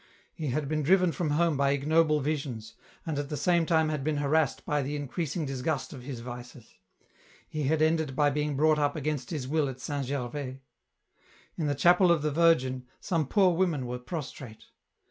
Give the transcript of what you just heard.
He had been driven from home by ignoble visions, and at the same time had been harassed by the increasing disgust of his vices. He had ended by being brought up against his will at St. Gervais. In the chapel of the Virgin, some poor women were prostrate.